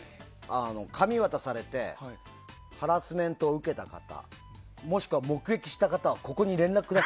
紙を渡されてハラスメントを受けた方もしくわ目撃した方は嘘！